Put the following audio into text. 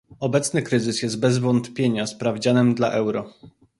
Obecny kryzys jest bez wątpienia sprawdzianem dla euro